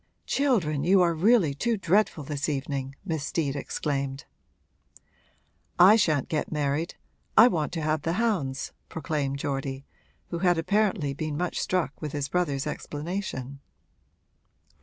'Children, you are really too dreadful this evening!' Miss Steet exclaimed. 'I shan't get married I want to have the hounds,' proclaimed Geordie, who had apparently been much struck with his brother's explanation.